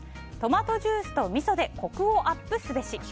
トマトジュースとみそでコクをアップすべし。